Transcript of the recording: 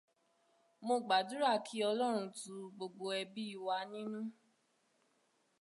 Mo gbàdúrà kí Ọlọ́run tu gbogbo ẹbí wa nínú.